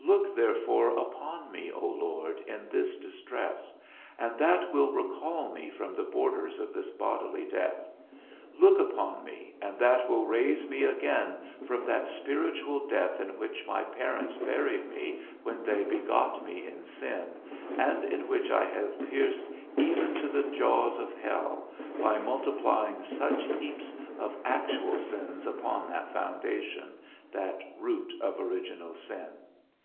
Look therefore upon me, O Lord, in this distress and that will recall me from the borders of this bodily death; look upon me, and that will raise me again from that spiritual death in which my parents buried me when they begot me in sin, and in which I have pierced even to the jaws of hell by multiplying such heaps of actual sins upon that foundation, that root of original sin.